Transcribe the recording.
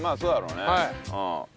うん。